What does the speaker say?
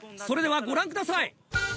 それではご覧ください。